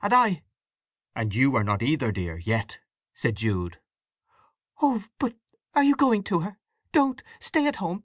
"And I—" "And you are not either, dear, yet," said Jude. "Oh, but are you going to her? Don't! Stay at home!